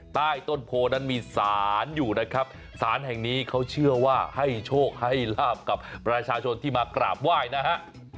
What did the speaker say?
ใต้ต้นโพนั้นมีสารอยู่นะครับสารแห่งนี้เขาเชื่อว่าให้โชคให้ลาบกับประชาชนที่มากราบไหว้นะฮะ